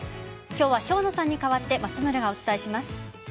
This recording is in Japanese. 今日は生野さんに代わって松村がお伝えします。